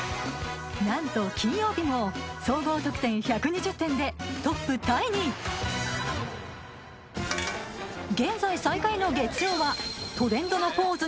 なんと金曜日も総合得点１２０点でトップタイに現在最下位・虫歯ポーズ！